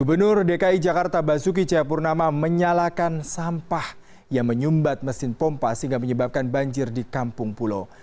gubernur dki jakarta basuki cahayapurnama menyalakan sampah yang menyumbat mesin pompa sehingga menyebabkan banjir di kampung pulau